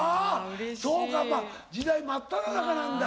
そうか時代真っただ中なんだ。